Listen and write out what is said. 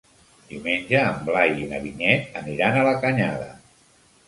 Diumenge en Blai i na Vinyet aniran a la Canyada.